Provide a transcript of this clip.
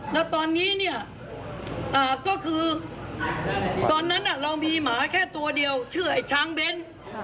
แล้วตอนนี้เนี่ยก็คือตอนนั้นเรามีหมาแค่ตัวเดียวชื่อไอ้ช้างเบ้น